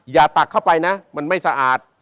ตักเข้าไปนะมันไม่สะอาด